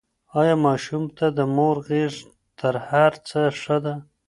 ایا ماشوم ته د مور غېږ تر هر څه ښه ده؟